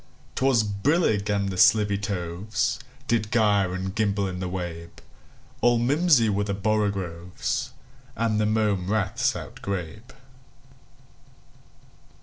'T was brillig, and the slithy tovesDid gyre and gimble in the wabe; All mimsy were the borogoves, And the mome raths outgrabe.